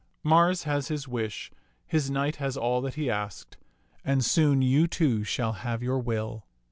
Mars has his wish, his knight has all that he asked; and soon you, too, shall have your will."